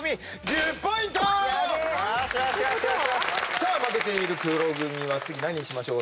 さあ負けている黒組は次何にしましょう？